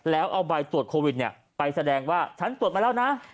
แล้วเอาใบตรวจโควิดเนี่ยไปแสดงว่าฉันตรวจมาแล้วนะ